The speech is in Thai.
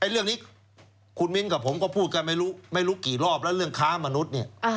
เรื่องนี้คุณมิ้นกับผมก็พูดกันไม่รู้กี่รอบแล้วเรื่องค้ามนุษย์เนี่ย